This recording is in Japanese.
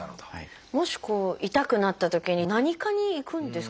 もし痛くなったときに何科に行くんですか？